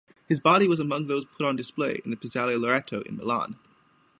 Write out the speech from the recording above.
His body was among those put on display in Piazzale Loreto in Milan.